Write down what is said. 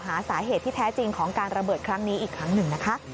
หาสาเหตุที่แท้จริงของการระเบิดครั้งนี้อีกครั้งหนึ่งนะคะ